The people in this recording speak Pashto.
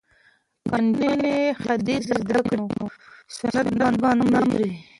که نجونې حدیث زده کړي نو سنت به نه مري.